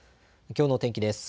きょうの天気です。